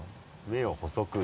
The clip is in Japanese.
目を細く。